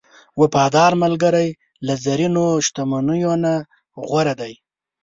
وفادار ملګری له زرینو شتمنیو نه غوره دی.